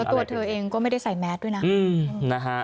ตัวเธอเองก็ไม่ได้ใส่แมสด้วยนะ